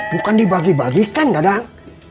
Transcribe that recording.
bukan dibagi bagikan dadang